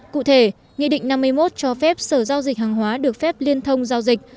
cụ thể nghị định năm mươi một cho phép sở giao dịch hàng hóa được phép liên thông giao dịch